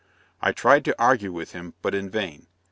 I tried to argue with him, but in vain.